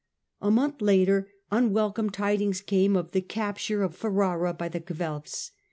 A month later unwelcome tidings came of the capture of Ferrara by the Guelfs.